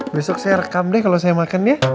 besok saya rekam deh kalau saya makan ya